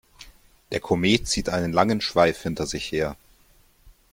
Der Komet zieht einen langen Schweif hinter sich her.